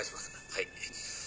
はい。